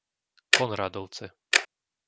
Konrádovce